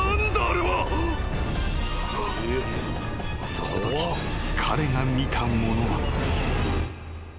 ［そのとき彼が見たものは］